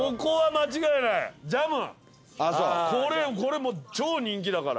これよこれ超人気だから。